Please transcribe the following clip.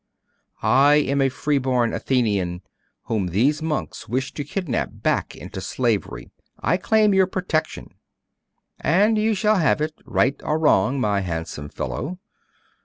'I am a free born Athenian, whom these monks wish to kidnap back into slavery! I claim your protection!' 'And you shall have it, right or wrong, my handsome fellow.